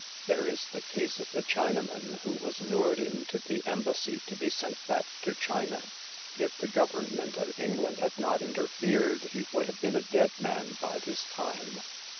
There is the case of the Chinaman who was lured into the Embassy to be sent back to China. If the Government of England had not interfered he would have been a dead man by this time.